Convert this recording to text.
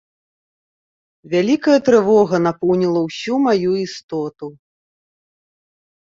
Вялікая трывога напоўніла ўсю маю істоту.